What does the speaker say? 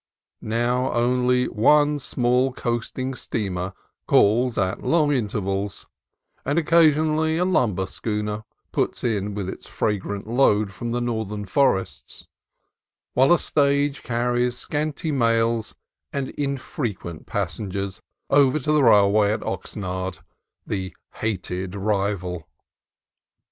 Now, only one small coasting steamer calls at long intervals, and occa sionally a lumber schooner puts in with its fragrant load from the northern forests, while a stage carries scanty mails and infrequent passengers over to the railway at Oxnard, "the hated rival."